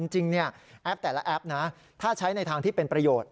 แอปแต่ละแอปนะถ้าใช้ในทางที่เป็นประโยชน์